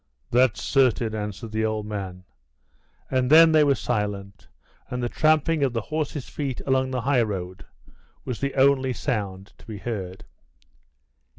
"That's certain," answered the old man. And then they were silent, and the tramping of the horses' feet along the highroad was the only sound to be heard.